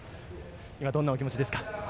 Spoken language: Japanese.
今、どんなお気持ちですか？